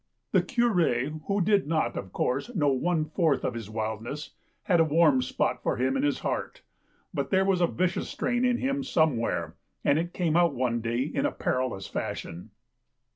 The Cure, who did not, of course, know one fourth of his wildness, had a warm spot for him in his heart. But there was a vicious strain in him somewhere, and it came out one day in a perilous fashion.